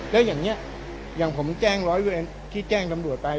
แล้วอย่างนี้อย่างผมแจ้งร้อยเวรที่แจ้งตำรวจไป